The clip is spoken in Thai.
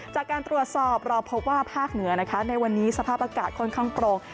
จากการตรวจสอบเราพบว่าภาคเหนือนะคะในวันนี้สภาพอากาศค่อนข้างโปร่ง